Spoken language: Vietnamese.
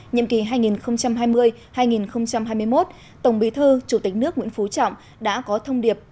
nhiệm kỳ hai nghìn hai mươi hai nghìn hai mươi một tổng bí thư chủ tịch nước nguyễn phú trọng đã có thông điệp